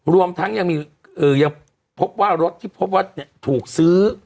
รวมทั้งยังพบว่ารถที่พบว่าถูกซื้อ